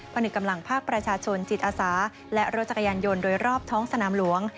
นึกกำลังภาคประชาชนจิตอาสาและรถจักรยานยนต์โดยรอบท้องสนามหลวง